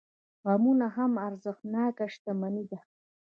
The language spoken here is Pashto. غمونه هم ارزښتناکه شتمني ده.